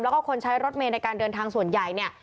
แล้วก็คนใช้รถเมย์ในการเดินทางส่วนใหญ่เนี่ย